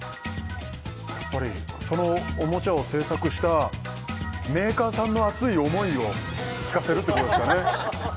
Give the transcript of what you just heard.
やっぱりそのおもちゃを製作したメーカーさんの熱い思いを聞かせるってことですかね